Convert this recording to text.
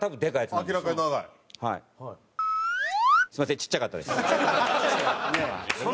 すみませんちっちゃかったです。